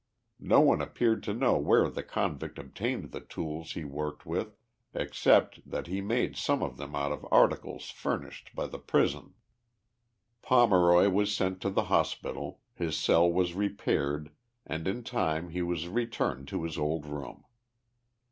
No one appeared to know where the convict obtained the tools he worked with, except that he made some of them out of articles furnished by the prison. Pomeroy was sent to the hospital, his cell was repaired and in time he was returned to his old room.